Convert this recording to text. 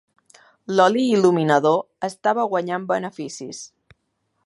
L'oli il·luminador estava guanyant beneficis.